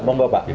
mau mau pak